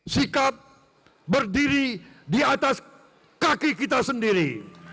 sikap berdiri di atas kaki kita sendiri